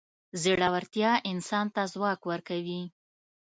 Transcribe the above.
زړورتیا انسان ته ځواک ورکوي.